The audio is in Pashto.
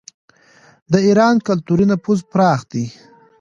د ایران کلتوري نفوذ پراخ دی.